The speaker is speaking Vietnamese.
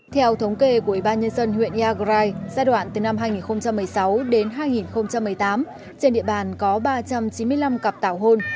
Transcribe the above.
theo thống kê của ủy ban nhân dân huyện iagrai giai đoạn từ năm hai nghìn một mươi sáu đến hai nghìn một mươi tám trên địa bàn có ba trăm chín mươi năm cặp tảo hôn